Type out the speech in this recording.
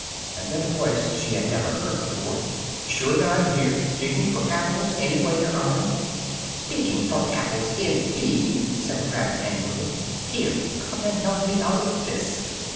And then a voice she had never heard before, "shure then I'm here! digging for apples, anyway, yer honour!" "Digging for apples indeed!" said the rabbit angrily, "here, come and help me out of this!"